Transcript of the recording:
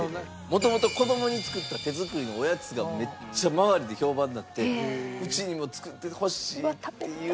元々子供に作った手作りのおやつがめっちゃ周りで評判になって「うちにも作ってほしい」っていうのから。